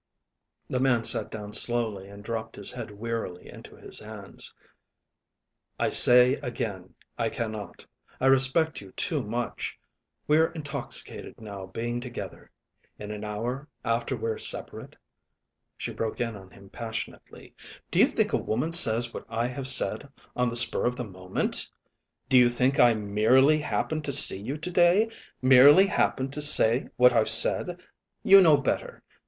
'" The man sat down slowly and dropped his head wearily into his hands. "I say again, I cannot. I respect you too much. We're intoxicated now being together. In an hour, after we're separate " She broke in on him passionately. "Do you think a woman says what I have said on the spur of the moment? Do you think I merely happened to see you to day, merely happened to say what I've said? You know better.